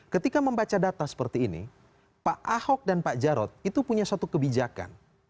ketika membaca data seperti ini pak ahok dan pak jarod itu punya suatu kebijakan